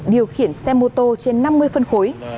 điều khiển xe mô tô trên năm mươi phân khối